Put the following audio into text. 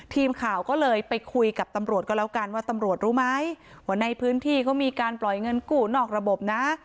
ทีมข่าวก็เลยไปคุยกับตำรวจก็แล้วกันว่าตำรวจรู้ไหมว่าในพื้นที่เขามีการปล่อยเงินกู้นอกระบบนะ